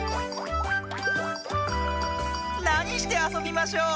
なにしてあそびましょう？